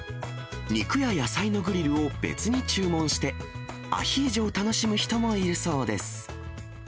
肉や野菜のグリルを別に注文して、アヒージョを楽しむ人もいるそうです。